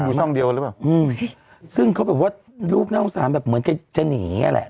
ที่บุช่องเดียวหรือเปล่าอืมซึ่งเขาแบบว่าลูกน้องสามแบบเหมือนจะจะหนีแหละ